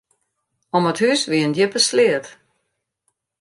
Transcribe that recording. Om it hús wie in djippe sleat.